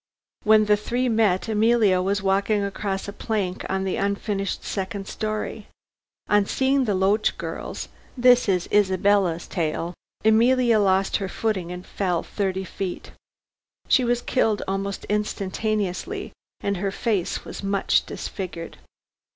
When the three met, Emilia was walking across a plank on the unfinished second story. On seeing the Loach girls this is Isabella's tale Emilia lost her footing and fell thirty feet. She was killed almost instantaneously, and her face was much disfigured.